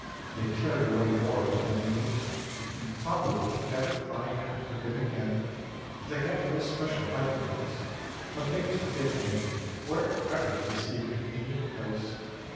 They carry away more than they eat and probably never find half of it again, for they have no special hiding place, but they tuck it in wherever they see a convenient place.